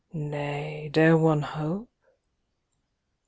nay, dare one hope ?)